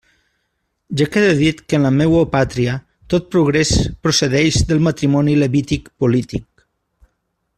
Ja queda dit que en la meua pàtria tot progrés procedeix del matrimoni levític polític.